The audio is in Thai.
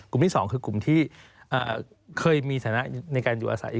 ที่๒คือกลุ่มที่เคยมีฐานะในการอยู่อาศัย